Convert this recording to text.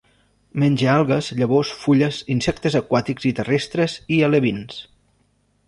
Menja algues, llavors, fulles, insectes aquàtics i terrestres, i alevins.